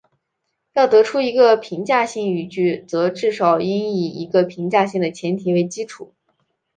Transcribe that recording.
要得出一个评价性语句则至少应以一个评价性的前提为基础。